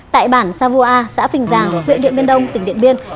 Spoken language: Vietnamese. tại bản sa vua a xã phình giàng huyện điện biên đông tỉnh điện biên